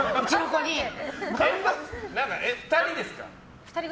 ２人ですか？